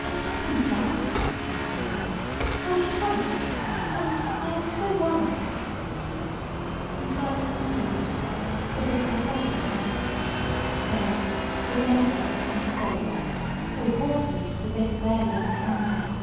"What happened, Dad?" asked Ruth. "Can't you tell us? Oh, I am so worried!" He tried to smile at her, but it was a pathetic attempt. Then, with an effort, he spoke so hoarsely that they could barely understand him.